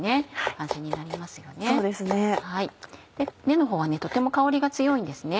根のほうはとても香りが強いんですね。